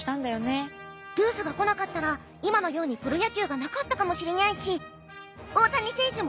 ルースが来なかったら今のようにプロ野球がなかったかもしれにゃいし